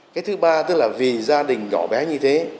cái thứ ba tức là vì gia đình nhỏ bé như thế